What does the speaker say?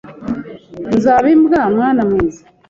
Nzaba imbwa, mwana mwiza,